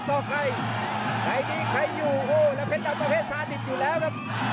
อกใครใครดีใครอยู่โอ้โหแล้วเพชรดำประเภทสาดิตอยู่แล้วครับ